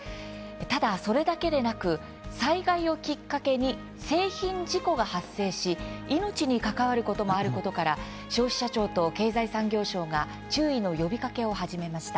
ただ、それだけでなく災害をきっかけに製品事故が発生し命に関わることもあることから消費者庁と経済産業省が注意の呼びかけを始めました。